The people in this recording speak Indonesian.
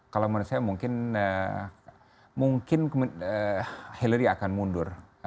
kalau menurut saya mungkin hillary akan mundur